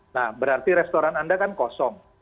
nah berarti restoran anda kan kosong